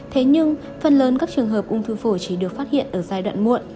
thế nhưng phần lớn các trường hợp ung thư phổi chỉ được phát hiện ở giai đoạn muộn